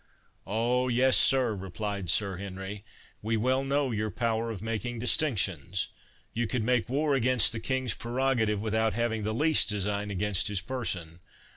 "Oh yes, sir," replied Sir Henry; "we well know your power of making distinctions; you could make war against the King's prerogative, without having the least design against his person.